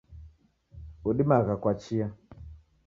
Udimagha kwa chia